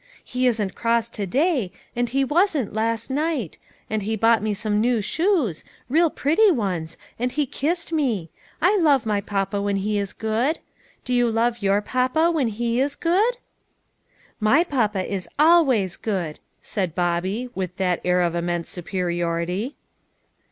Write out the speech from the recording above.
He isn't cross to day, and he wasn't last night; and he bought me some new shoes real pretty ones, and he kissed me. I love my papa when he is good. Do you love your papa when he is good ?"" My papa is always good," said Bobby, with that air of immense superiority.